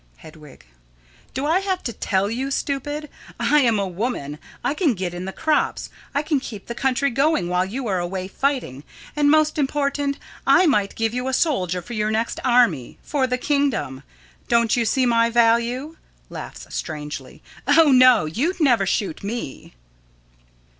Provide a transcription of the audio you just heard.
Hedwig: Do I have to tell you, stupid? I am a woman: I can get in the crops; I can keep the country going while you are away fighting, and, most important, I might give you a soldier for your next army for the kingdom. Don't you see my value? [Laughs strangely.] Oh, no, you'd never shoot me!